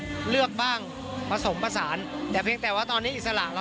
การเดินทางปลอดภัยทุกครั้งในฝั่งสิทธิ์ที่หนูนะคะ